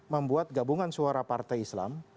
membuat gabungan suara partai islam